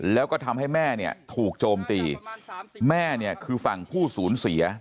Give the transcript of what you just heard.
แล้วก็ทำให้แม่เนี่ยถูกโจมตีแม่เนี่ยคือฝั่งผู้สูญเสีย